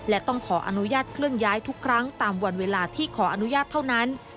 และต้องขออนุญาตเคลื่อนย้ายทุกครั้งตามวันเวลาที่ขออนุญาตเท่านั้น